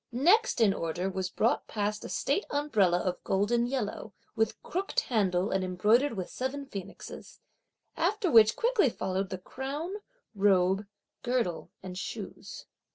Next in order was brought past a state umbrella of golden yellow, with crooked handle and embroidered with seven phoenixes; after which quickly followed the crown, robe, girdle and shoes.